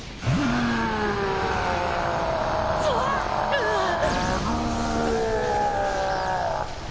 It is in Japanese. うわあっ！